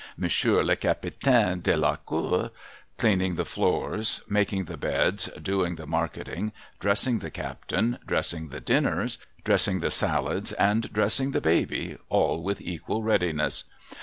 Monsieur le Capitaine de la Cour, — cleaning the floors, making the beds, doing the marketing, dressing the captain, dressing the dinners, dressing the salads, and dressing the baby, all with equal readiness